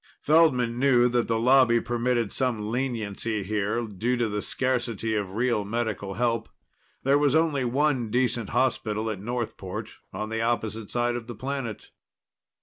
Feldman knew that the Lobby permitted some leniency here, due to the scarcity of real medical help. There was only one decent hospital at Northport, on the opposite side of the planet.